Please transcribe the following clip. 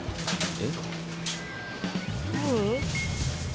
「えっ？」